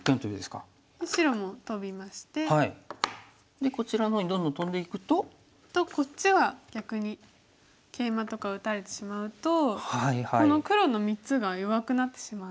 でこちらの方にどんどんトンでいくと？とこっちが逆にケイマとか打たれてしまうとこの黒の３つが弱くなってしまうんですね。